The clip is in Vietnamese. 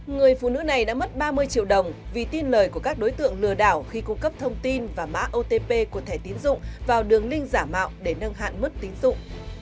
người phụ nữ này đã mất ba mươi triệu đồng vì tin lời của các đối tượng lừa đảo khi cung cấp thông tin và mã otp của thẻ tiến dụng vào đường link giả mạo để nâng hạn mức tín dụng